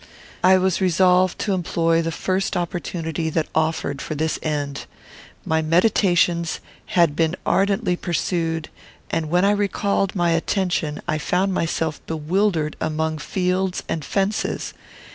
I was resolved to employ the first opportunity that offered for this end. My meditations had been ardently pursued, and, when I recalled my attention, I found myself bewildered among fields and fences.